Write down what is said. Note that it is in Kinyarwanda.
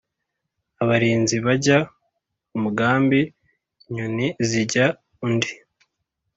Abarinzi bajya umugambi, inyoni zijya undi